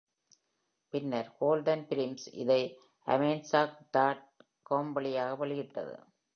பின்னர் Golden Films இதை Amazon dot com வழியாக வெளியிட்டது.